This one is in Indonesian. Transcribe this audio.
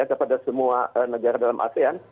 kepada semua negara dalam asean